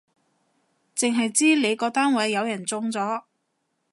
剩係知你個單位有人中咗